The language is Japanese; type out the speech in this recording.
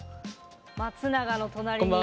松永の隣に。